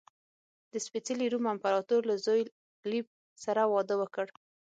د سپېڅلي روم امپراتور له زوی فلیپ سره واده وکړ.